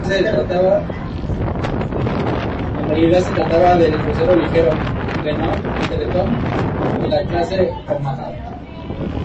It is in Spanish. En realidad, se trataba del crucero ligero "Trenton", de la clase "Omaha".